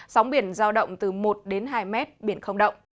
sóng biển giao động từ một đến hai mét biển không động